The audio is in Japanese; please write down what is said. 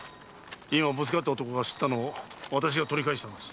今ぶつかった男が掏ったのを私が取り返したんです。